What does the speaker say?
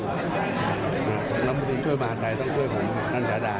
นำบุคคลช่วยมหาดไทยต้องช่วยของท่านศาดา